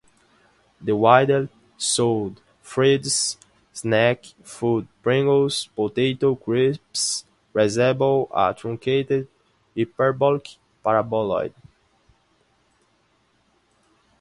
The widely sold fried snack food Pringles potato crisps resemble a truncated hyperbolic paraboloid.